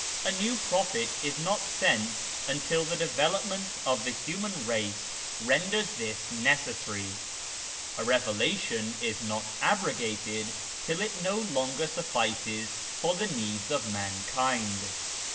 A new prophet is not sent until the development of the human race renders this necessary. A revelation is not abrogated till it no longer suffices for the needs of mankind.